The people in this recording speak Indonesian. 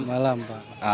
selamat malam pak